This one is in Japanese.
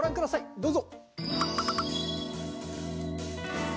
どうぞ！